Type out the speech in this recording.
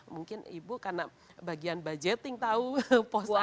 mungkin ibu karena bagian budgeting tau pos anggaran